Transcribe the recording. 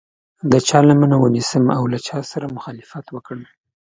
د چا لمنه ونیسم او له چا سره مخالفت وکړم.